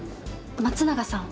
松永さん